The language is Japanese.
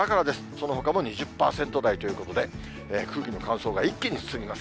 そのほかも２０％台ということで、空気の乾燥が一気に進みます。